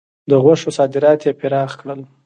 د غوښو صادرات یې پراخ کړل.